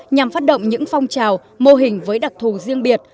nhằm phát động những phong trào mô hình với đặc thù riêng biệt